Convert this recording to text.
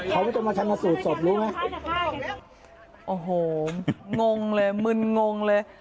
เขาเขาจะมาชัดมาสูจน์สดรู้ไหมโอ้โหงงเลยมึนงงเลย